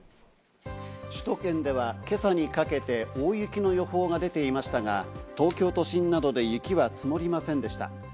首都圏では今朝にかけて大雪の予報が出ていましたが、東京都心などで雪は積もりませんでした。